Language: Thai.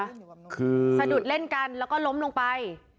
คือสะดุดเล่นกันแล้วก็ล้มลงไป